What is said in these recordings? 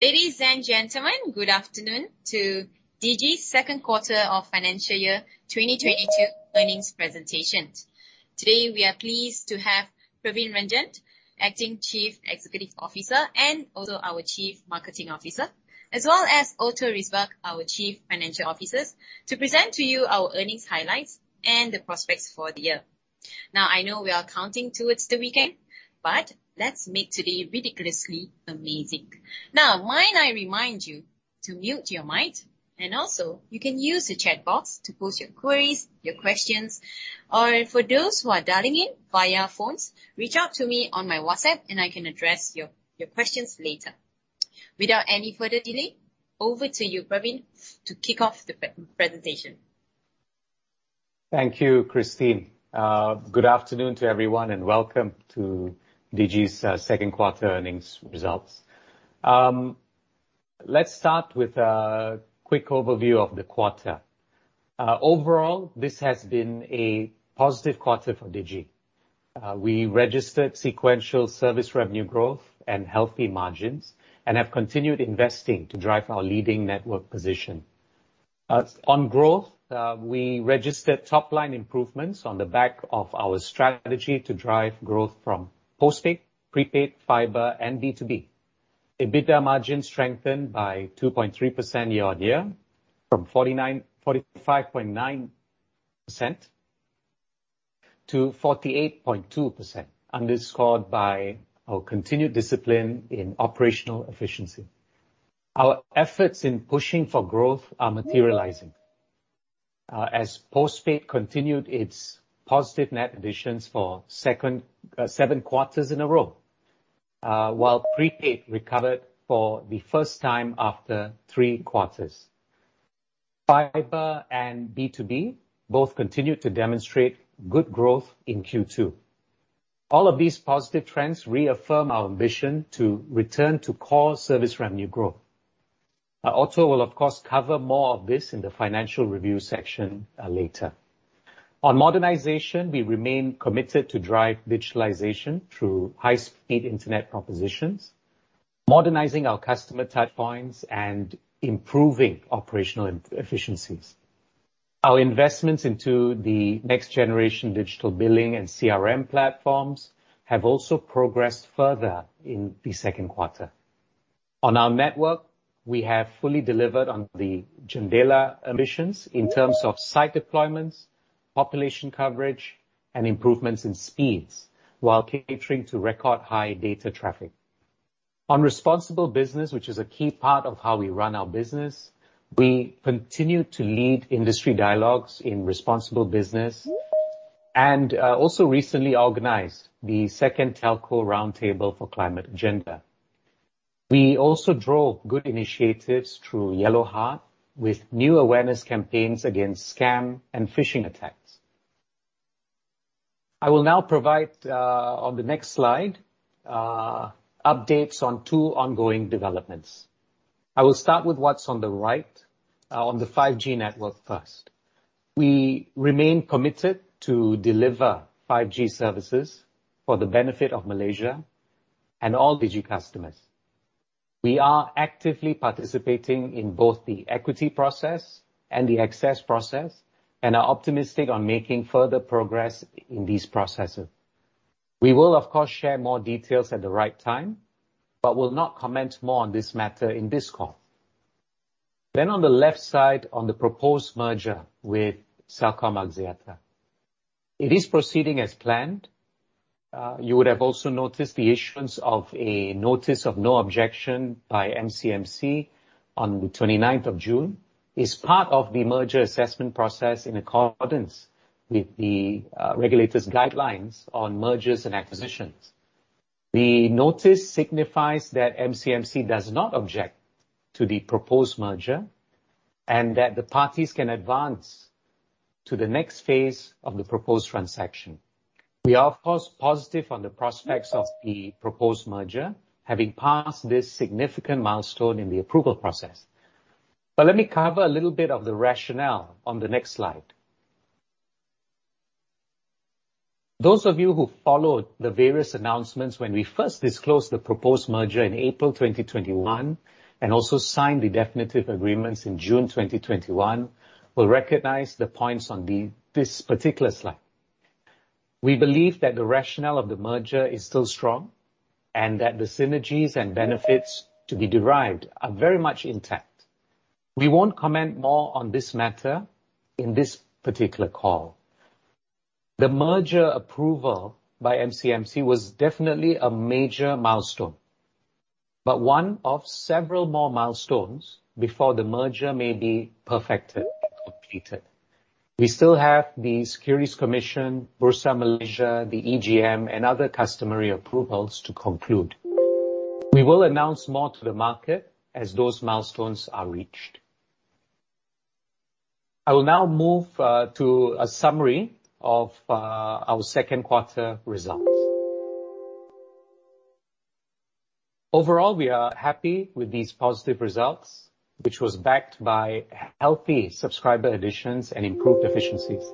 Ladies and gentlemen, good afternoon to Digi's second quarter of financial year 2022 earnings presentation. Today, we are pleased to have Praveen Rajan, Acting Chief Executive Officer and also our Chief Marketing Officer, as well as Otto Risbakk, our Chief Financial Officer, to present to you our earnings highlights and the prospects for the year. Now, I know we are counting towards the weekend, but let's make today ridiculously amazing. Now, might I remind you to mute your mic, and also you can use the chat box to post your queries, your questions, or for those who are dialing in via phones, reach out to me on my WhatsApp and I can address your questions later. Without any further delay, over to you, Praveen, to kick off the pre-presentation. Thank you, Christine. Good afternoon to everyone, and welcome to Digi's second quarter earnings results. Let's start with a quick overview of the quarter. Overall, this has been a positive quarter for Digi. We registered sequential service revenue growth and healthy margins and have continued investing to drive our leading network position. On growth, we registered top-line improvements on the back of our strategy to drive growth from Postpaid, Prepaid, Fibre, and B2B. EBITDA margin strengthened by 2.3% year-on-year from 45.9% to 48.2%, underscored by our continued discipline in operational efficiency. Our efforts in pushing for growth are materializing, as Postpaid continued its positive net additions for seven quarters in a row, while Prepaid recovered for the first time after three quarters. Fibre and B2B both continued to demonstrate good growth in Q2. All of these positive trends reaffirm our ambition to return to core service revenue growth. Otto will of course cover more of this in the financial review section, later. On modernization, we remain committed to drive digitalization through high-speed internet propositions, modernizing our customer touchpoints, and improving operational efficiencies. Our investments into the next-generation digital billing and CRM platforms have also progressed further in the second quarter. On our network, we have fully delivered on the JENDELA ambitions in terms of site deployments, population coverage, and improvements in speeds while catering to record high data traffic. On responsible business, which is a key part of how we run our business, we continue to lead industry dialogues in responsible business and also recently organized the second telco roundtable for climate agenda. We also drove good initiatives through Yellow Heart with new awareness campaigns against scam and phishing attacks. I will now provide on the next slide updates on two ongoing developments. I will start with what's on the right on the 5G network first. We remain committed to deliver 5G services for the benefit of Malaysia and all Digi customers. We are actively participating in both the equity process and the access process, and are optimistic on making further progress in these processes. We will of course share more details at the right time, but will not comment more on this matter in this call. On the left side, on the proposed merger with Celcom Axiata. It is proceeding as planned. You would have also noticed the issuance of a notice of no objection by MCMC on the 29th of June. It's part of the merger assessment process in accordance with the regulator's guidelines on mergers and acquisitions. The notice signifies that MCMC does not object to the proposed merger, and that the parties can advance to the next phase of the proposed transaction. We are of course positive on the prospects of the proposed merger having passed this significant milestone in the approval process. Let me cover a little bit of the rationale on the next slide. Those of you who followed the various announcements when we first disclosed the proposed merger in April 2021 and also signed the definitive agreements in June 2021 will recognize the points on this particular slide. We believe that the rationale of the merger is still strong and that the synergies and benefits to be derived are very much intact. We won't comment more on this matter in this particular call. The merger approval by MCMC was definitely a major milestone, but one of several more milestones before the merger may be perfected and completed. We still have the Securities Commission Malaysia, Bursa Malaysia, the EGM, and other customary approvals to conclude. We will announce more to the market as those milestones are reached. I will now move to a summary of our second quarter results. Overall, we are happy with these positive results, which was backed by healthy subscriber additions and improved efficiencies.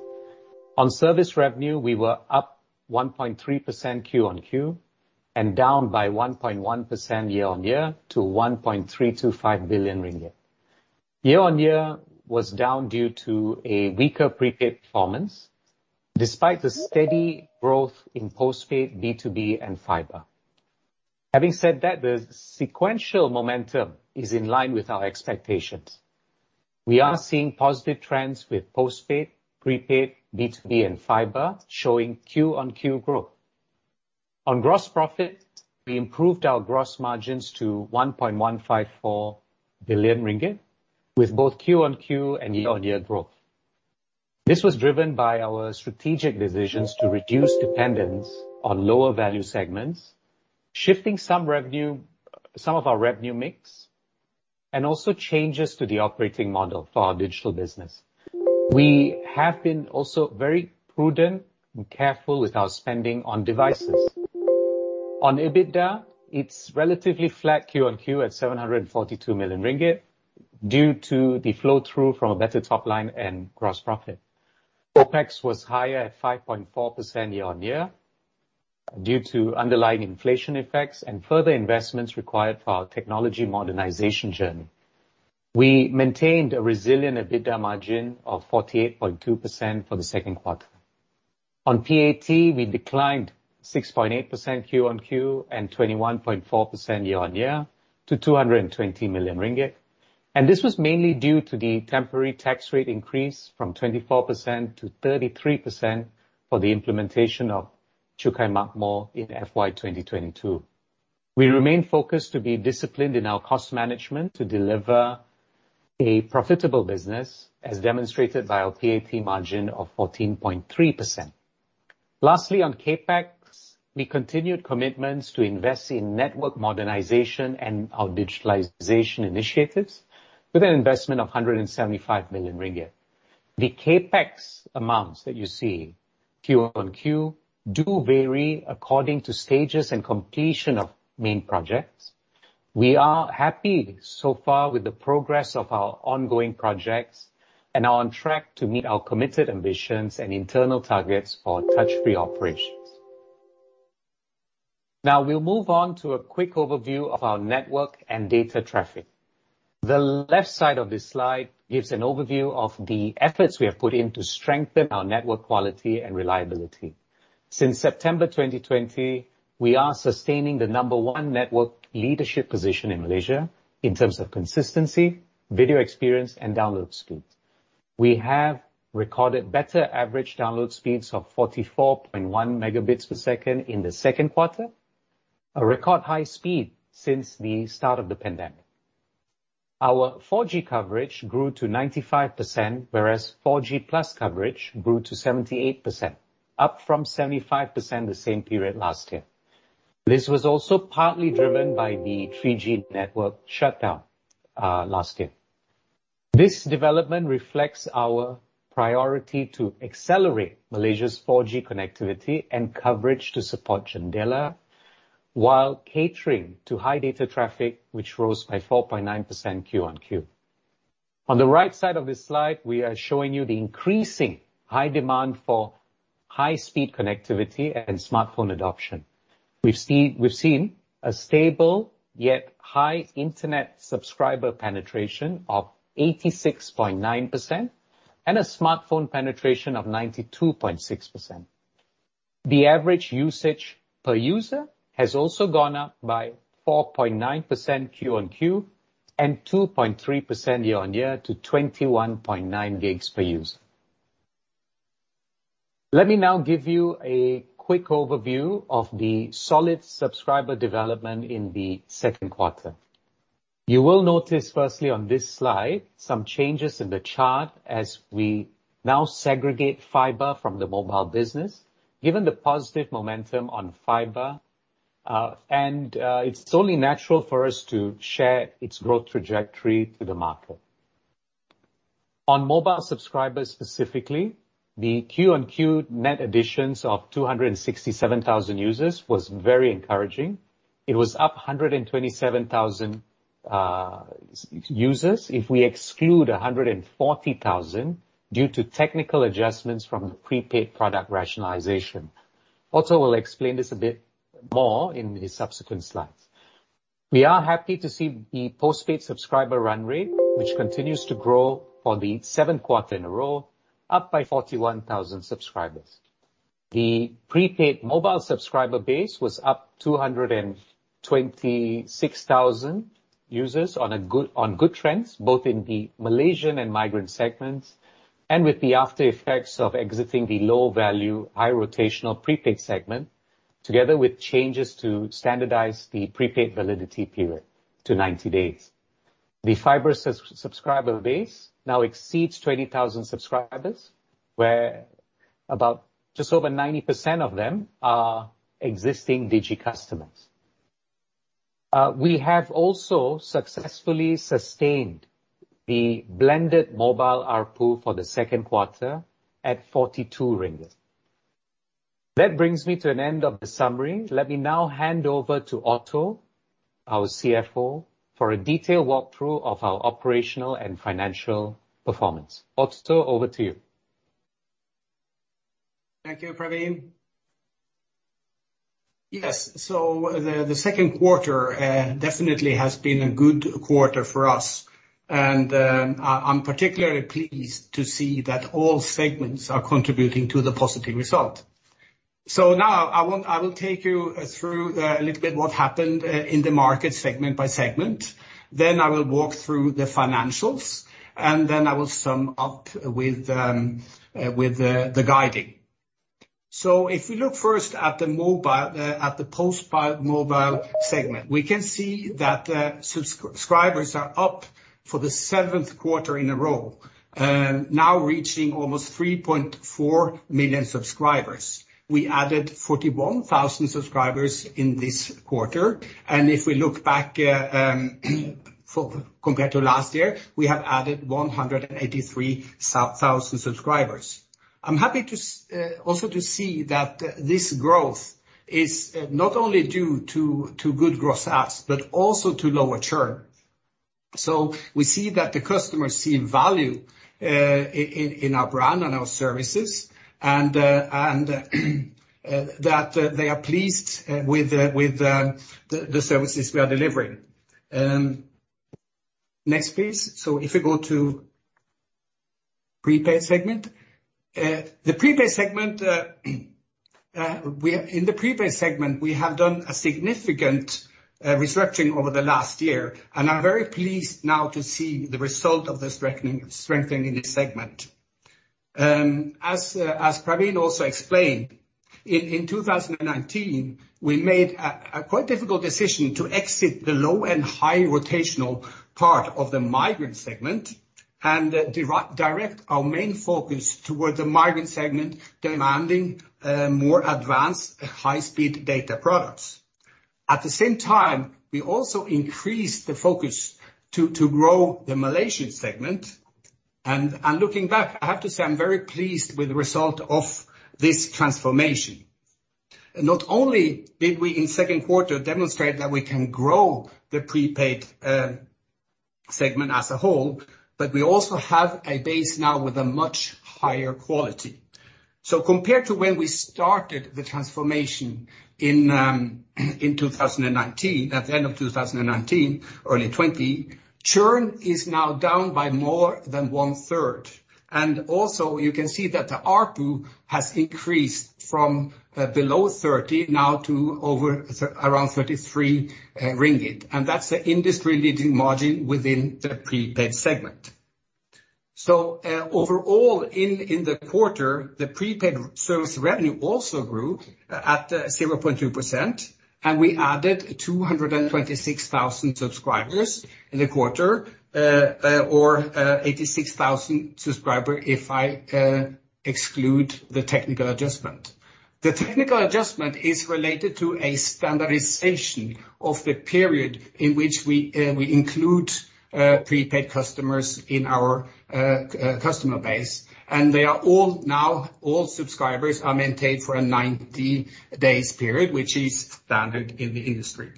On service revenue, we were up 1.3% quarter-over-quarter and down by 1.1% year-on-year to 1.325 billion ringgit. Year-on-year was down due to a weaker prepaid performance despite the steady growth in postpaid, B2B, and Fibre. Having said that, the sequential momentum is in line with our expectations. We are seeing positive trends with Postpaid, Prepaid, B2B and Fibre showing Q-on-Q growth. On gross profit, we improved our gross margins to 1.154 billion ringgit with both Q-on-Q and year-on-year growth. This was driven by our strategic decisions to reduce dependence on lower value segments, shifting some revenue, some of our revenue mix, and also changes to the operating model for our digital business. We have been also very prudent and careful with our spending on devices. On EBITDA, it's relatively flat Q-on-Q at 742 million ringgit due to the flow-through from a better top line and gross profit. OPEX was higher at 5.4% year-on-year due to underlying inflation effects and further investments required for our technology modernization journey. We maintained a resilient EBITDA margin of 48.2% for the second quarter. On PAT, we declined 6.8% Q-on-Q and 21.4% year-on-year to 220 million ringgit, and this was mainly due to the temporary tax rate increase from 24% to 33% for the implementation of Cukai Makmur in FY 2022. We remain focused to be disciplined in our cost management to deliver a profitable business, as demonstrated by our PAT margin of 14.3%. Lastly, on CapEx, we continued commitments to invest in network modernization and our digitalization initiatives with an investment of 175 million ringgit. The CapEx amounts that you see Q-on-Q do vary according to stages and completion of main projects. We are happy so far with the progress of our ongoing projects and are on track to meet our committed ambitions and internal targets for touch-free operations. Now, we'll move on to a quick overview of our network and data traffic. The left side of this slide gives an overview of the efforts we have put in to strengthen our network quality and reliability. Since September 2020, we are sustaining the number one network leadership position in Malaysia in terms of consistency, video experience and download speed. We have recorded better average download speeds of 44.1 Mbps in the second quarter, a record high speed since the start of the pandemic. Our 4G coverage grew to 95%, whereas 4G+ coverage grew to 78%, up from 75% the same period last year. This was also partly driven by the 3G network shutdown last year. This development reflects our priority to accelerate Malaysia's 4G connectivity and coverage to support JENDELA, while catering to high data traffic, which rose by 4.9% Q-on-Q. On the right side of this slide, we are showing you the increasing high demand for high-speed connectivity and smartphone adoption. We've seen a stable yet high internet subscriber penetration of 86.9% and a smartphone penetration of 92.6%. The average usage per user has also gone up by 4.9% Q-on-Q and 2.3% year-on-year to 21.9 GB per user. Let me now give you a quick overview of the solid subscriber development in the second quarter. You will notice, firstly on this slide, some changes in the chart as we now segregate Fibre from the mobile business, given the positive momentum on Fibre. It's only natural for us to share its growth trajectory to the market. On mobile subscribers, specifically, the Q-on-Q net additions of 267,000 users was very encouraging. It was up 127,000 users, if we exclude 140,000 due to technical adjustments from the prepaid product rationalization. We'll explain this a bit more in the subsequent slides. We are happy to see the postpaid subscriber run rate, which continues to grow for the seventh quarter in a row, up by 41,000 subscribers. The prepaid mobile subscriber base was up 226,000 users on good trends, both in the Malaysian and migrant segments, and with the after effects of exiting the low-value, high rotational prepaid segment, together with changes to standardize the prepaid validity period to 90 days. The Fibre subscriber base now exceeds 20,000 subscribers, where about just over 90% of them are existing Digi customers. We have also successfully sustained the blended mobile ARPU for the second quarter at 42 ringgit. That brings me to an end of the summary. Let me now hand over to Otto, our CFO, for a detailed walkthrough of our operational and financial performance. Otto, over to you. Thank you, Praveen. Yes. The second quarter definitely has been a good quarter for us. I'm particularly pleased to see that all segments are contributing to the positive result. I will take you through a little bit what happened in the market segment by segment. I will walk through the financials, and then I will sum up with the guiding. If we look first at the mobile, at the postpaid mobile segment, we can see that subscribers are up for the seventh quarter in a row, now reaching almost 3.4 million subscribers. We added 41,000 subscribers in this quarter. If we look back for compared to last year, we have added 183,000 subscribers. I'm happy to also to see that this growth is not only due to good gross adds, but also to lower churn. We see that the customers see value in our brand and our services and that they are pleased with the services we are delivering. Next please. If you go to Prepaid segment. The Prepaid segment. In the Prepaid segment, we have done a significant restructuring over the last year, and I'm very pleased now to see the result of this strengthening this segment. As Praveen also explained, in 2019, we made a quite difficult decision to exit the low and high rotational part of the migrant segment and redirect our main focus towards the migrant segment, demanding more advanced high-speed data products. At the same time, we also increased the focus to grow the Malaysian segment. Looking back, I have to say I'm very pleased with the result of this transformation. Not only did we, in second quarter, demonstrate that we can grow the prepaid segment as a whole, but we also have a base now with a much higher quality. Compared to when we started the transformation in 2019, at the end of 2019, early 2020, churn is now down by more than 1/3. You can see that the ARPU has increased from below 30 now to over around 33 ringgit, and that's an industry-leading margin within the prepaid segment. Overall in the quarter, the prepaid service revenue also grew at 0.2%, and we added 226,000 subscribers in the quarter or 86,000 subscriber if I exclude the technical adjustment. The technical adjustment is related to a standardization of the period in which we include prepaid customers in our customer base, and they are all now all subscribers are maintained for a 90-day period, which is standard in the industry.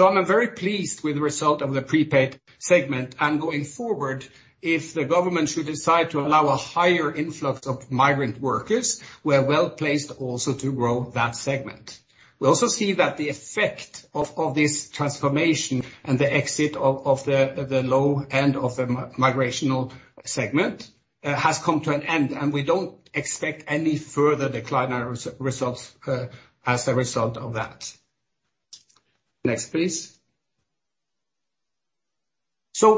I'm very pleased with the result of the prepaid segment. Going forward, if the government should decide to allow a higher influx of migrant workers, we're well placed also to grow that segment. We also see that the effect of this transformation and the exit of the low end of the migrant segment has come to an end, and we don't expect any further decline in our results as a result of that. Next, please.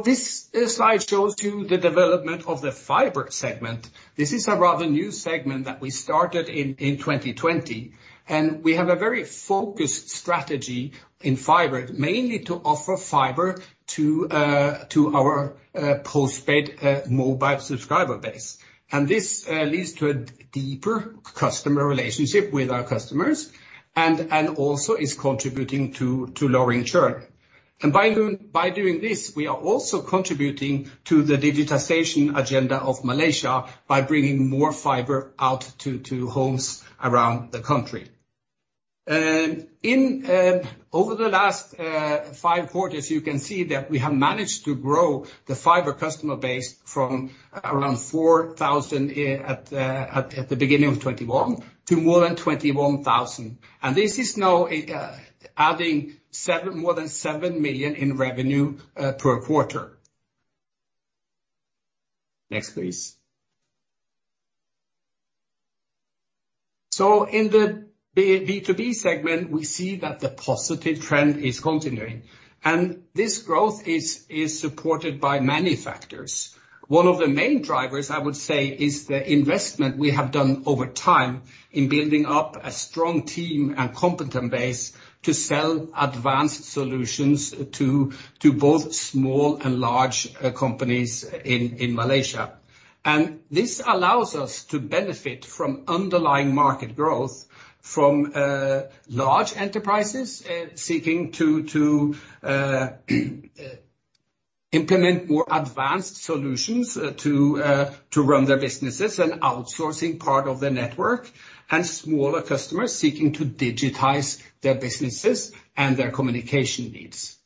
This slide shows you the development of the Fibre segment. This is a rather new segment that we started in 2020, and we have a very focused strategy in Fibre, mainly to offer Fibre to our Postpaid mobile subscriber base. This leads to a deeper customer relationship with our customers and also is contributing to lowering churn. By doing this, we are also contributing to the digitization agenda of Malaysia by bringing more Fibre out to homes around the country. Over the last five quarters, you can see that we have managed to grow the Fibre customer base from around 4,000 at the beginning of 2021 to more than 21,000. This is now adding more than 7 million in revenue per quarter. Next, please. In the B2B segment, we see that the positive trend is continuing, and this growth is supported by many factors. One of the main drivers, I would say, is the investment we have done over time in building up a strong team and competent base to sell advanced solutions to both small and large companies in Malaysia. This allows us to benefit from underlying market growth from large enterprises seeking to implement more advanced solutions to run their businesses and outsourcing part of the network, and smaller customers seeking to digitize their businesses and their communication needs.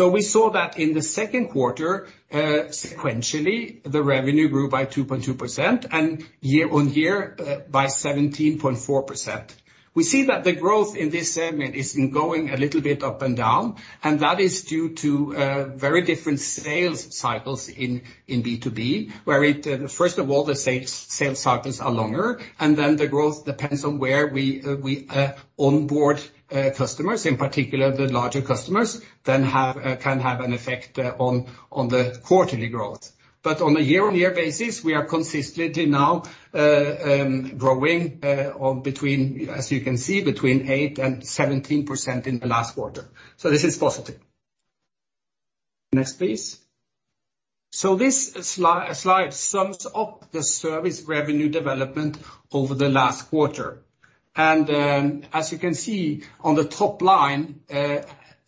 We saw that in the second quarter, sequentially, the revenue grew by 2.2%, and year on year, by 17.4%. We see that the growth in this segment is going a little bit up and down, and that is due to very different sales cycles in B2B, where, first of all, the sales cycles are longer, and then the growth depends on where we onboard customers, in particular the larger customers, then can have an effect on the quarterly growth. On a year-on-year basis, we are consistently now growing between, as you can see, 8%-17% in the last quarter. This is positive. Next, please. This slide sums up the service revenue development over the last quarter. As you can see on the top line,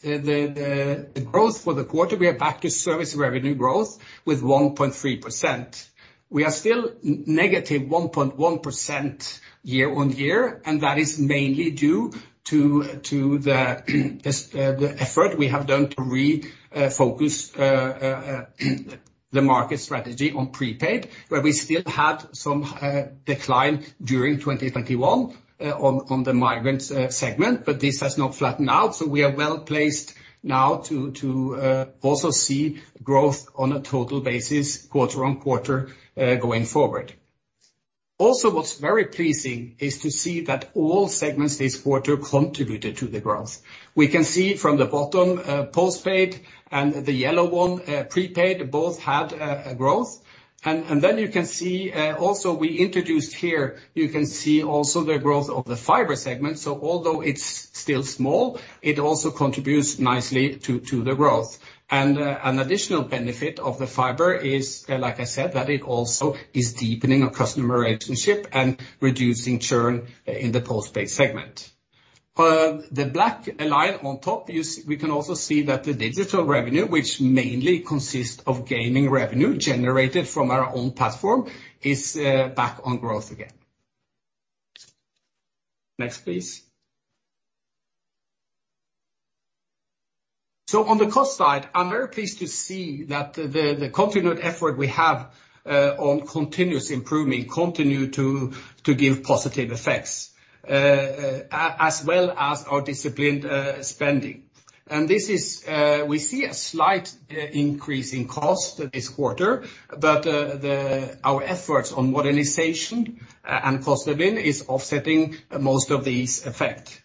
the growth for the quarter, we are back to service revenue growth with 1.3%. We are still -1.1% year-on-year, and that is mainly due to the effort we have done to focus the market strategy on prepaid, where we still had some decline during 2021 on the migrant segment, but this has now flattened out, so we are well placed now to also see growth on a total basis quarter-on-quarter going forward. Also, what's very pleasing is to see that all segments this quarter contributed to the growth. We can see from the bottom postpaid and the yellow one prepaid both had growth. Then you can see also we introduced here you can see also the growth of the Fibre segment. Although it's still small, it also contributes nicely to the growth. An additional benefit of the Fibre is, like I said, that it also is deepening our customer relationship and reducing churn in the Postpaid segment. The black line on top we can also see that the digital revenue, which mainly consists of gaming revenue generated from our own platform, is back on growth again. Next, please. On the cost side, I'm very pleased to see that the continued effort we have on continuous improvement continue to give positive effects as well as our disciplined spending. This is, we see a slight increase in cost this quarter, but our efforts on modernization and cost saving is offsetting most of these effect.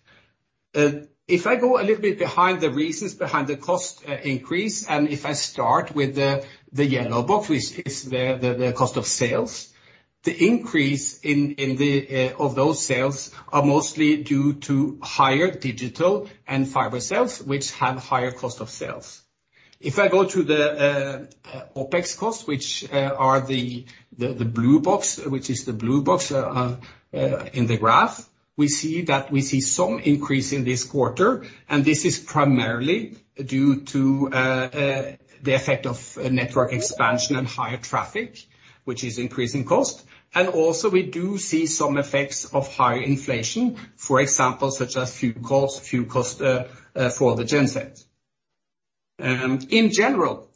If I go a little bit behind the reasons behind the cost increase, and if I start with the yellow box, which is the cost of sales. The increase of those sales are mostly due to higher digital and Fibre sales, which have higher cost of sales. If I go to the OpEx costs, which are the blue box in the graph, we see some increase in this quarter, and this is primarily due to the effect of network expansion and higher traffic, which is increasing cost. Also we do see some effects of higher inflation, for example, such as fuel costs for the gensets. In general,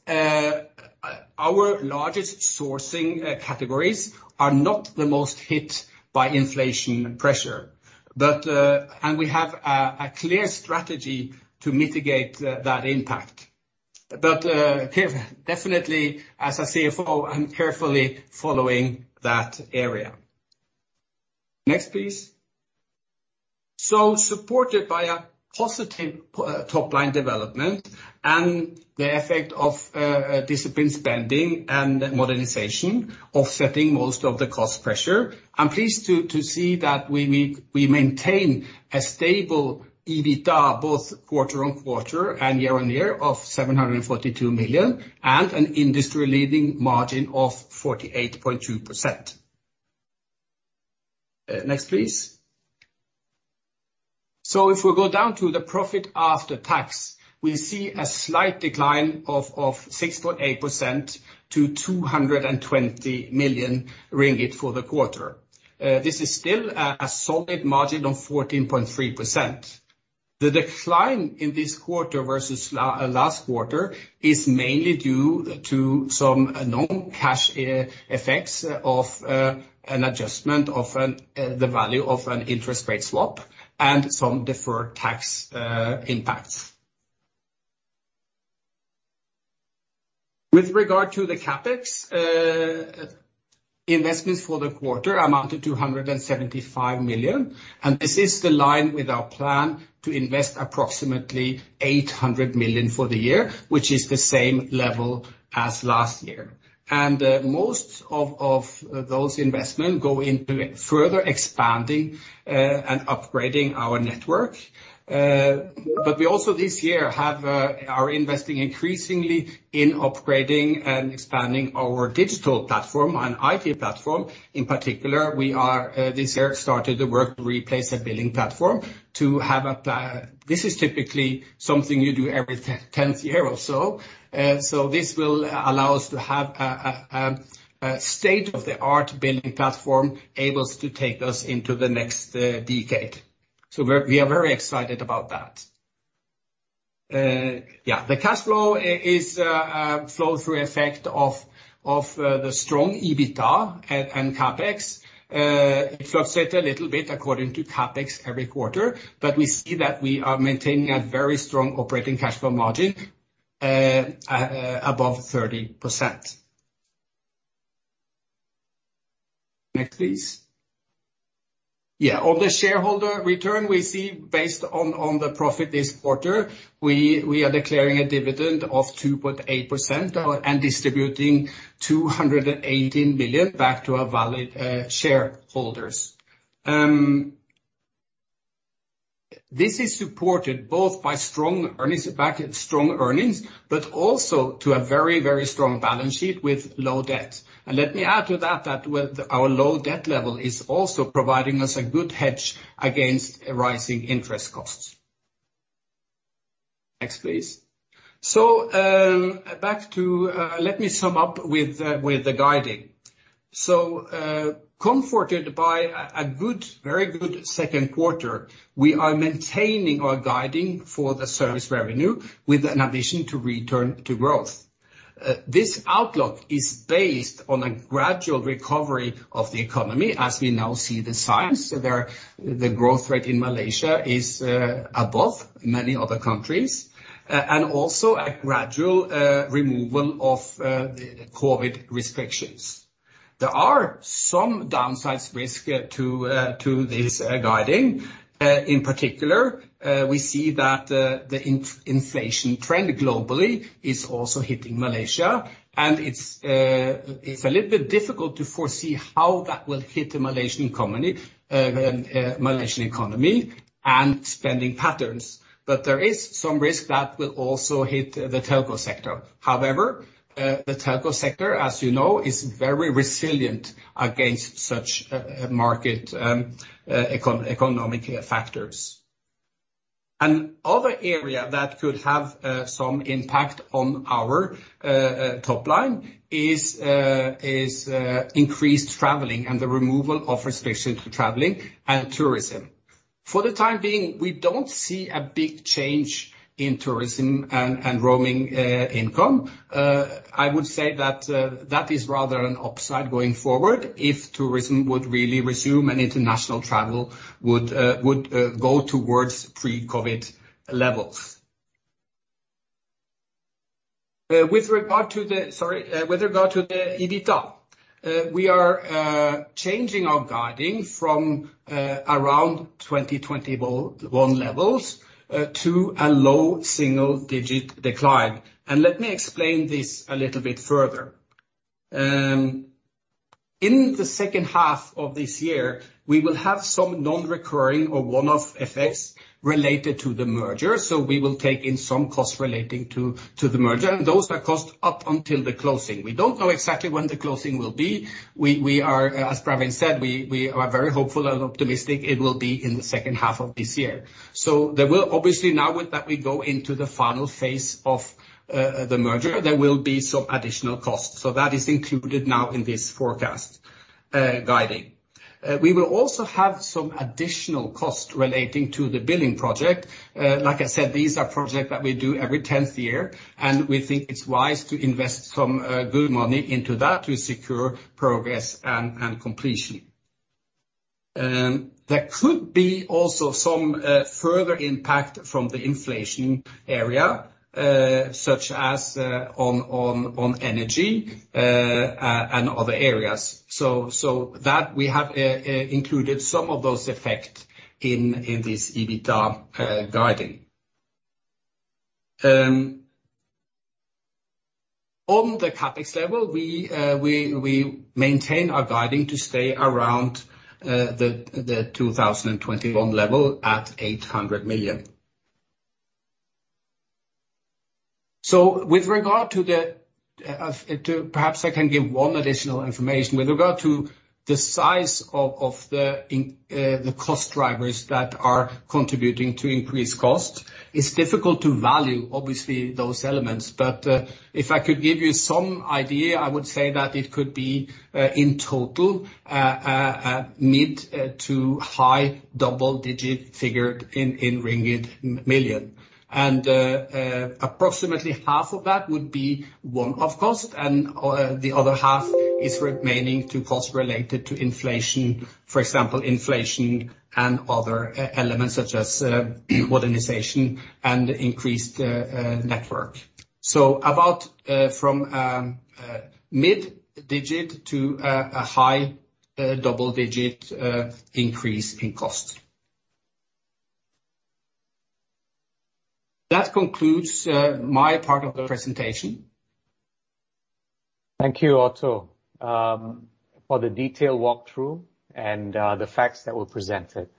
our largest sourcing categories are not the most hit by inflation pressure. We have a clear strategy to mitigate that impact. Definitely, as a CFO, I'm carefully following that area. Next, please. Supported by a positive top-line development and the effect of disciplined spending and modernization offsetting most of the cost pressure, I'm pleased to see that we maintain a stable EBITDA both quarter-over-quarter and year-over-year of 742 million and an industry-leading margin of 48.2%. Next, please. If we go down to the profit after tax, we see a slight decline of 6.8% to 220 million ringgit for the quarter. This is still a solid margin of 14.3%. The decline in this quarter versus last quarter is mainly due to some non-cash effects of an adjustment of the value of an interest rate swap and some deferred tax impacts. With regard to the CapEx investments for the quarter amounted to 175 million, and this is in line with our plan to invest approximately 800 million for the year, which is the same level as last year. Most of those investments go into further expanding and upgrading our network. But we also this year are investing increasingly in upgrading and expanding our digital platform and IT platform. In particular, we are this year started the work to replace a billing platform. This is typically something you do every tenth year or so. This will allow us to have a state-of-the-art billing platform able to take us into the next decade. We are very excited about that. The cash flow is a flow-through effect of the strong EBITDA and CapEx. It fluctuates a little bit according to CapEx every quarter, but we see that we are maintaining a very strong operating cash flow margin at above 30%. Next, please. On the shareholder return, we see based on the profit this quarter, we are declaring a dividend of 2.8% and distributing 218 million back to our valued shareholders. This is supported both by strong earnings, but also by a very strong balance sheet with low debt. Let me add to that with our low debt level is also providing us a good hedge against rising interest costs. Next, please. Back to, let me sum up with the guidance. Comforted by a good, very good second quarter, we are maintaining our guidance for the service revenue with an addition to return to growth. This outlook is based on a gradual recovery of the economy as we now see the signs. There, the growth rate in Malaysia is above many other countries, and also a gradual removal of the COVID restrictions. There are some downside risks to this guidance. In particular, we see that the inflation trend globally is also hitting Malaysia. It's a little bit difficult to foresee how that will hit the Malaysian economy and spending patterns. There is some risk that will also hit the telco sector. However, the telco sector, as you know, is very resilient against such market economic factors. Another area that could have some impact on our top line is increased traveling and the removal of restrictions to traveling and tourism. For the time being, we don't see a big change in tourism and roaming income. I would say that that is rather an upside going forward, if tourism would really resume and international travel would go towards pre-COVID levels. With regard to the EBITDA, we are changing our guiding from around 2021 levels to a low single-digit decline. Let me explain this a little bit further. In the second half of this year, we will have some non-recurring or one-off effects related to the merger. We will take in some costs relating to the merger, and those are costs up until the closing. We don't know exactly when the closing will be. We are, as Praveen said, very hopeful and optimistic it will be in the second half of this year. There will obviously now with that, we go into the final phase of the merger. There will be some additional costs. That is included now in this forecast, guiding. We will also have some additional cost relating to the billing project. Like I said, these are projects that we do every tenth year, and we think it's wise to invest some good money into that to secure progress and completion. There could be also some further impact from the inflation area, such as on energy and other areas. So that we have included some of those effects in this EBITDA guiding. On the CapEx level, we maintain our guiding to stay around the 2021 level at 800 million. With regard to perhaps I can give one additional information. With regard to the size of the cost drivers that are contributing to increased cost, it's difficult to value, obviously, those elements. If I could give you some idea, I would say that it could be in total mid- to high double-digit figure in ringgit million. Approximately half of that would be one-off cost, and the other half is recurring costs related to inflation. For example, inflation and other elements such as modernization and increased network. About from mid-digit to a high double-digit increase in cost. That concludes my part of the presentation. Thank you, Otto, for the detailed walkthrough and the facts that were presented.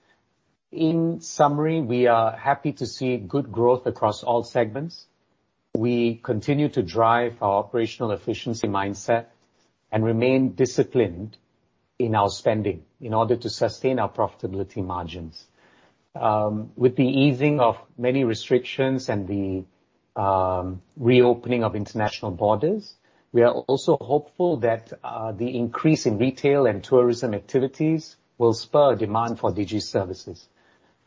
In summary, we are happy to see good growth across all segments. We continue to drive our operational efficiency mindset and remain disciplined in our spending in order to sustain our profitability margins. With the easing of many restrictions and the reopening of international borders. We are also hopeful that the increase in retail and tourism activities will spur demand for Digi services.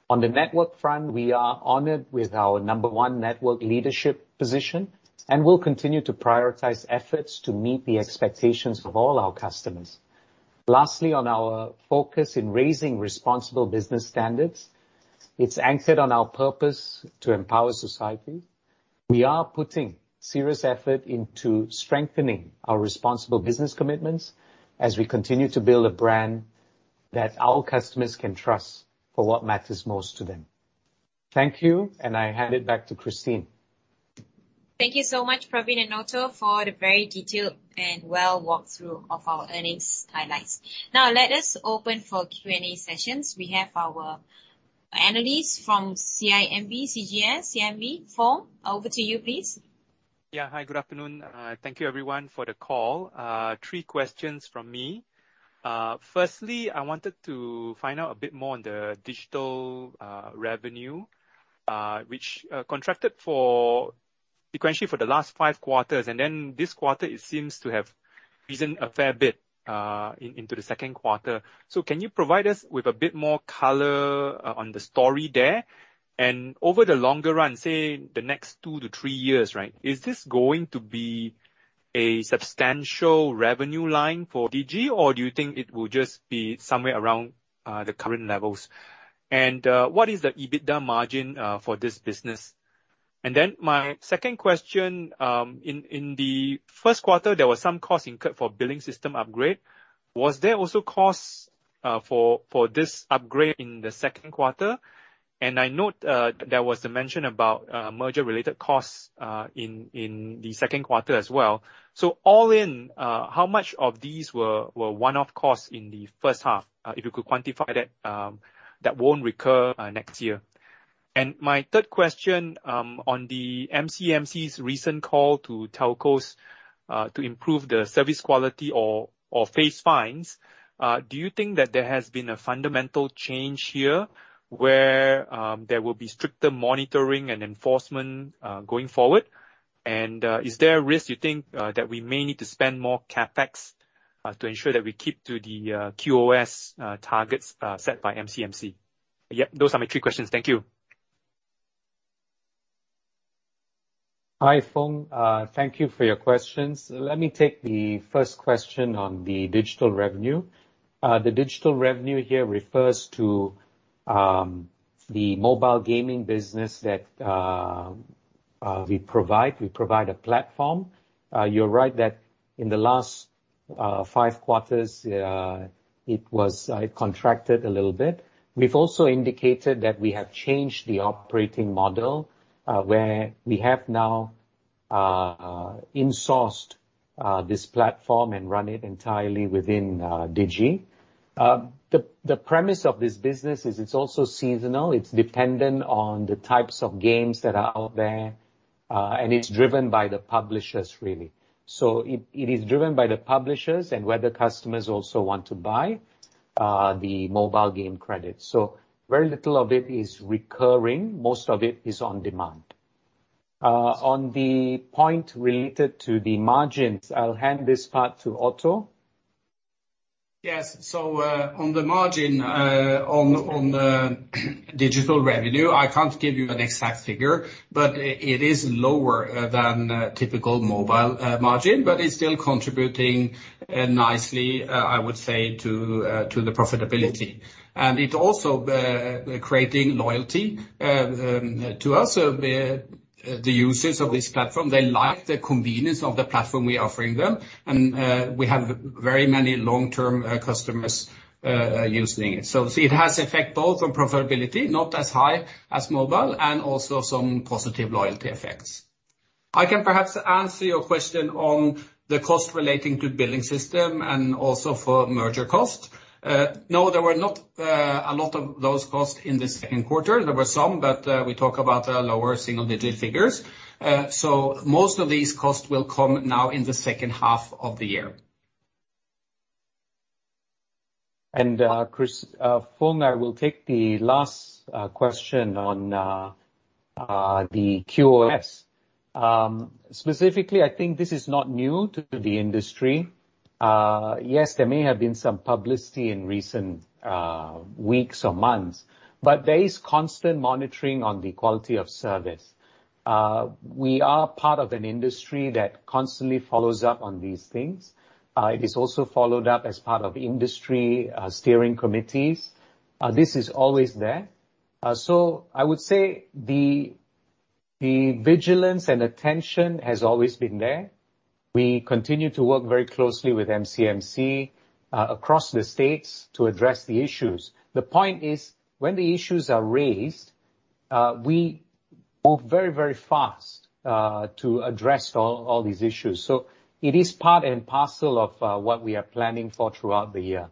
On the network front, we are honored with our number one network leadership position, and we'll continue to prioritize efforts to meet the expectations of all our customers. Lastly, on our focus in raising responsible business standards, it's anchored on our purpose to empower society. We are putting serious effort into strengthening our responsible business commitments as we continue to build a brand that our customers can trust for what matters most to them. Thank you, and I hand it back to Christine. Thank you so much, Praveen and Otto, for the very detailed and well walkthrough of our earnings highlights. Now, let us open for Q&A sessions. We have our analysts from CIMB, CGS-CIMB. Foong, over to you, please. Yeah. Hi, good afternoon. Thank you everyone for the call. Three questions from me. Firstly, I wanted to find out a bit more on the digital revenue, which contracted sequentially for the last five quarters, and then this quarter it seems to have risen a fair bit into the second quarter. So can you provide us with a bit more color on the story there? And over the longer run, say the next 2-3 years, right, is this going to be a substantial revenue line for Digi, or do you think it will just be somewhere around the current levels? And what is the EBITDA margin for this business? And then my second question. In the first quarter, there was some costs incurred for billing system upgrade. Was there also costs for this upgrade in the second quarter? I note there was a mention about merger related costs in the second quarter as well. All in, how much of these were one-off costs in the first half? If you could quantify that that won't recur next year. My third question on the MCMC's recent call to telcos to improve the service quality or face fines. Do you think that there has been a fundamental change here where there will be stricter monitoring and enforcement going forward? Is there a risk you think that we may need to spend more CapEx to ensure that we keep to the QOS targets set by MCMC? Yeah. Those are my three questions. Thank you. Hi, Foong. Thank you for your questions. Let me take the first question on the digital revenue. The digital revenue here refers to the mobile gaming business that we provide. We provide a platform. You're right that in the last five quarters it was contracted a little bit. We've also indicated that we have changed the operating model where we have now insourced this platform and run it entirely within Digi. The premise of this business is it's also seasonal. It's dependent on the types of games that are out there and it's driven by the publishers really. It is driven by the publishers and whether customers also want to buy the mobile game credits. Very little of it is recurring. Most of it is on demand. On the point related to the margins, I'll hand this part to Otto. Yes. On the margin on the digital revenue, I can't give you an exact figure, but it is lower than typical mobile margin, but it's still contributing nicely, I would say to the profitability. It also creating loyalty to us. The users of this platform, they like the convenience of the platform we are offering them and we have very many long-term customers using it. It has effect both on profitability, not as high as mobile, and also some positive loyalty effects. I can perhaps answer your question on the cost relating to billing system and also for merger cost. No, there were not a lot of those costs in the second quarter. There were some, but we talk about lower single digit figures. Most of these costs will come now in the second half of the year. And a Foong, I will take the last question on the QOS. Specifically, I think this is not new to the industry. Yes, there may have been some publicity in recent weeks or months, but there is constant monitoring on the quality of service. We are part of an industry that constantly follows up on these things. It is also followed up as part of industry steering committees. This is always there. I would say the vigilance and attention has always been there. We continue to work very closely with MCMC across the states to address the issues. The point is, when the issues are raised, we move very fast to address all these issues. It is part and parcel of what we are planning for throughout the year.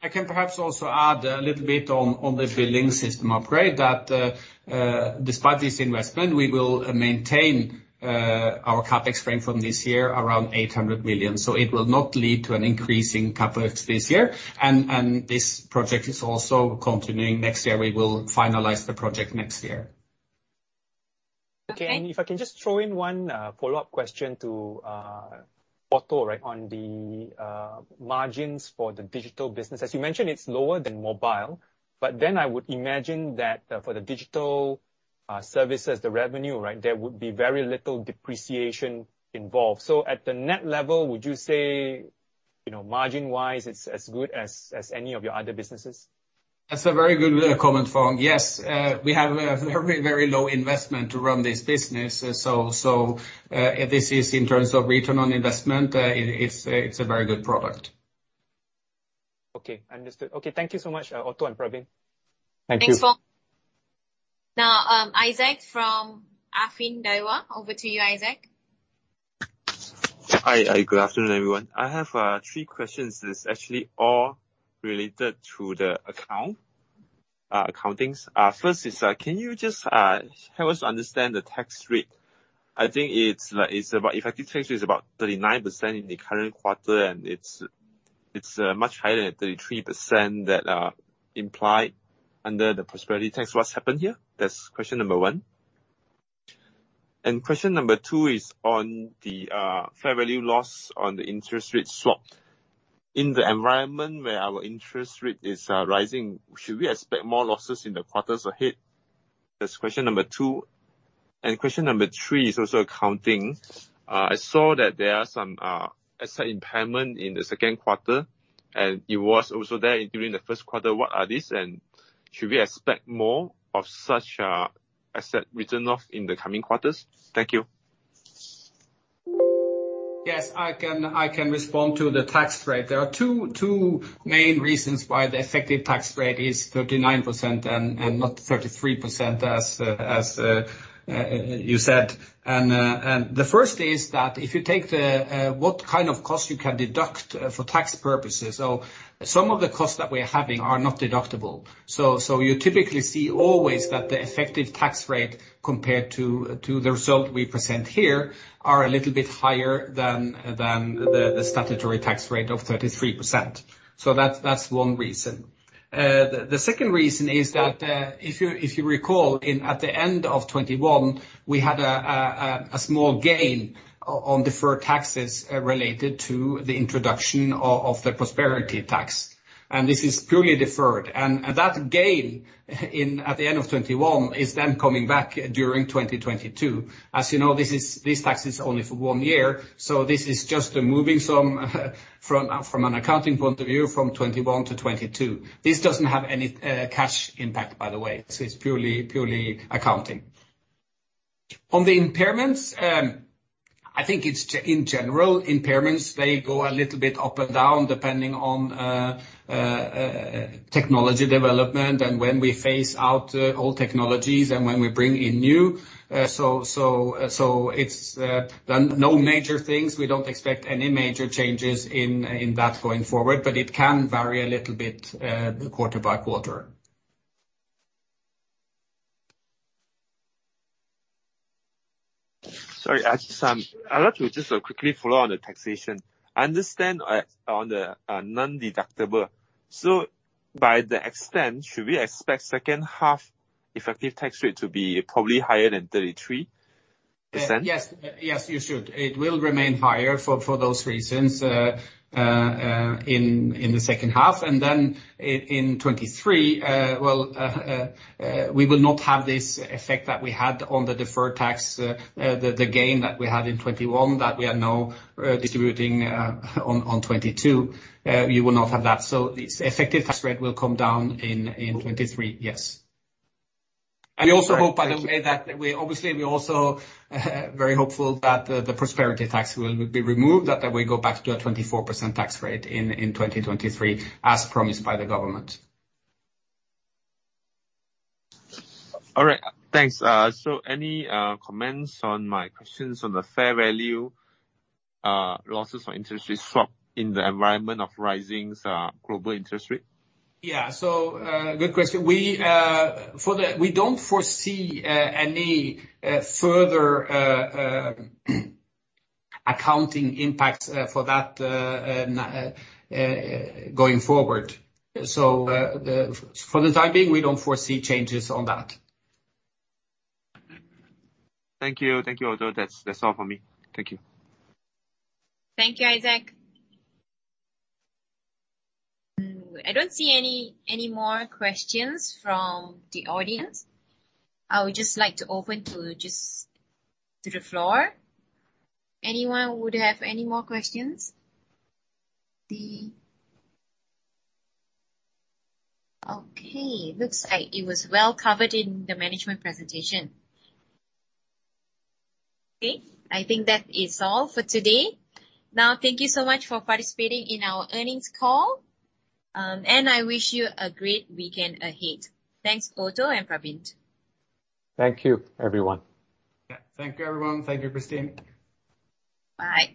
I can perhaps also add a little bit on the billing system upgrade that despite this investment, we will maintain our CapEx frame from this year around 800 million. It will not lead to an increase in CapEx this year. This project is also continuing next year. We will finalize the project next year. Okay. If I can just throw in one follow-up question to Otto, right on the margins for the digital business. As you mentioned, it's lower than mobile, but then I would imagine that for the digital services, the revenue, right, there would be very little depreciation involved. At the net level, would you say, you know, margin-wise it's as good as any of your other businesses? That's a very good way to comment, Foong. Yes, we have a very, very low investment to run this business. This is in terms of return on investment. It's a very good product. Okay, understood. Okay, thank you so much, Otto and Praveen. Thank you. Thanks, Foong. Now, Isaac from Affin Hwang. Over to you, Isaac. Hi. Good afternoon, everyone. I have three questions that's actually all related to the accounting. First is, can you just help us understand the tax rate? I think effective tax rate is about 39% in the current quarter, and it's much higher than 33% that implied under the Prosperity Tax. What's happened here? That's question number one. Question number two is on the fair value loss on the interest rate swap. In the environment where our interest rate is rising, should we expect more losses in the quarters ahead? That's question number two. Question number three is also accounting. I saw that there are some asset impairment in the second quarter, and it was also there during the first quarter. What are these, and should we expect more of such, asset written off in the coming quarters? Thank you. Yes. I can respond to the tax rate. There are two main reasons why the effective tax rate is 39% and not 33% as you said. The first is that if you take the what kind of cost you can deduct for tax purposes. Some of the costs that we're having are not deductible. You typically see always that the effective tax rate compared to the result we present here are a little bit higher than the statutory tax rate of 33%. That's one reason. The second reason is that if you recall at the end of 2021, we had a small gain on deferred taxes related to the introduction of the Prosperity Tax. This is purely deferred. That gain in at the end of 2021 is then coming back during 2022. As you know, this tax is only for one year, so this is just moving some from an accounting point of view from 2021 to 2022. This doesn't have any cash impact, by the way. It's purely accounting. On the impairments, I think it's in general impairments, they go a little bit up and down depending on technology development and when we phase out old technologies and when we bring in new. It's no major things. We don't expect any major changes in that going forward, but it can vary a little bit quarter by quarter. Sorry, I just, I'd like to just quickly follow on the taxation. I understand, on the non-deductible. To the extent, should we expect second half effective tax rate to be probably higher than 33%? Yes. Yes, you should. It will remain higher for those reasons in the second half. In 2023, well, we will not have this effect that we had on the deferred tax, the gain that we had in 2021 that we are now distributing on 2022. You will not have that. The effective tax rate will come down in 2023. Yes. All right. Thank you. We also hope, by the way, that obviously we're also very hopeful that the Prosperity Tax will be removed, that we go back to a 24% tax rate in 2023 as promised by the government. All right. Thanks. Any comments on my questions on the fair value losses on interest rate swap in the environment of rising global interest rate? Yeah. Good question. We don't foresee any further accounting impacts for that going forward. For the time being, we don't foresee changes on that. Thank you. Thank you, Otto. That's all for me. Thank you. Thank you, Isaac. I don't see any more questions from the audience. I would just like to open to the floor. Anyone would have any more questions? Okay. Looks like it was well covered in the management presentation. Okay. I think that is all for today. Now, thank you so much for participating in our earnings call, and I wish you a great weekend ahead. Thanks, Otto and Praveen. Thank you, everyone. Yeah. Thank you, everyone. Thank you, Christine. Bye.